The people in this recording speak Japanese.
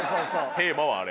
テーマはあれ。